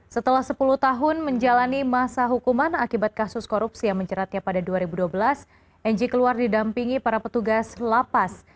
setelah sepuluh tahun menjalani masa hukuman akibat kasus korupsi yang menjeratnya pada dua ribu dua belas ng keluar didampingi para petugas lapas